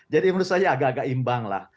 jadi menurut saya agak agak imbang lah